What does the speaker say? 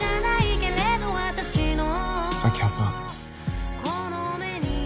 明葉さん